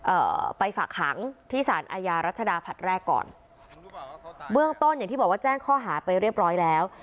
เอ่อไปฝากขังที่สารอาญารัชดาผลัดแรกก่อนเบื้องต้นอย่างที่บอกว่าแจ้งข้อหาไปเรียบร้อยแล้ว